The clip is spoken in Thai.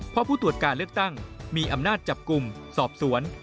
เพราะผู้ตรวจการเลือกตั้งมีอำนาจจับกลุ่มสอบสวน